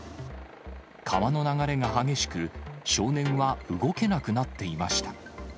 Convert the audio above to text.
川の流れが激しく、少年は動けなくなっていました。